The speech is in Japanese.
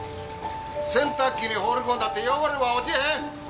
洗濯機に放り込んだって汚れは落ちへん！